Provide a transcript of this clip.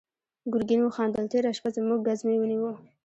ګرګين وخندل: تېره شپه زموږ ګزمې ونيو.